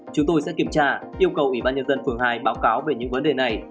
chúng tôi sẽ kiểm tra yêu cầu ủy ban nhân dân phường hai báo cáo về những vấn đề này